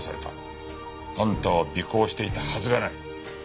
あんたを尾行していたはずがない。